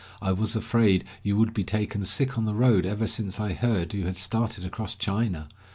"I was afraid you would be taken sick on the road ever since I heard you had started across China.